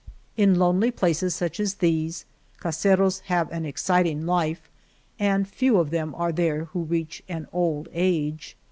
In lonely places such as these, caseros have an exciting life, and few of them are there who reach an old age.